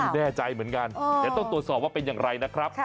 แน่ใจเหมือนกันเดี๋ยวต้องตรวจสอบว่าเป็นอย่างไรนะครับ